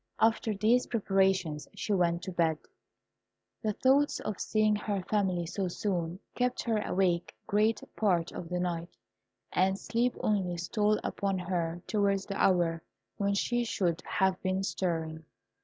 After these preparations, she went to bed. The thoughts of seeing her family so soon kept her awake great part of the night, and sleep only stole upon her towards the hour when she should have been stirring.